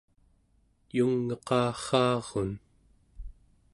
yung'eqarraarun